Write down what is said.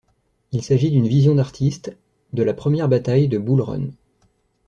Il s'agit d'une vision d'artiste de la première bataille de Bull Run.